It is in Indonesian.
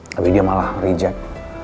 tapi dia malah reject